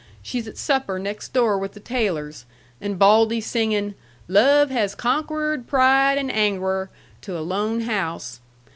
She's at supper next door with the Taylors, and Baldy singin' 'Love has conqwered pride and angwer' to a lone house.